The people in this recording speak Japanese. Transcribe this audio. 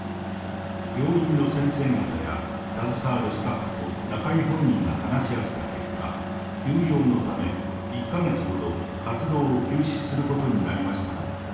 病院の先生方や携わるスタッフと中居本人が話し合った結果、休養のため、１か月ほど活動を休止することになりました。